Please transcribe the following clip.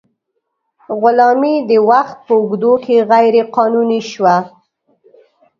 غلامي د وخت په اوږدو کې غیر قانوني شوه.